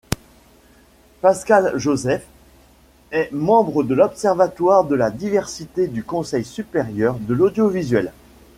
Pascal Josèphe est membre de l'Observatoire de la diversité du Conseil Supérieur de l'Audiovisuel.